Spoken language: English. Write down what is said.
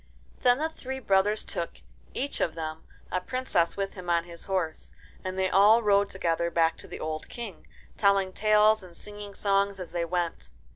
Then the three brothers took, each of them, a princess with him on his horse, and they all rode together back to the old King, telling talcs and singing songs as they went.